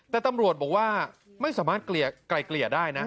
แต่ตำรวจบอกว่าไม่สามารถไกลเกลี่ยได้นะ